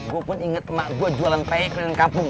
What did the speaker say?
gua pun inget emak gue jualan pe ke lantai kampung